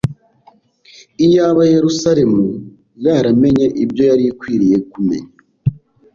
Iyaba Yerusalemu yaramenye ibyo yari ikwiriye kumenya,